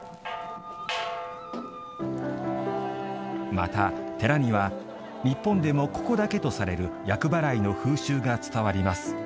また寺には日本でもここだけとされる厄払いの風習が伝わります。